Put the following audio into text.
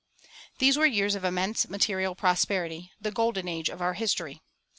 These were years of immense material prosperity, "the golden age of our history."